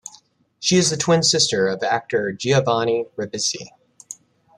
She is the twin sister of actor Giovanni Ribisi.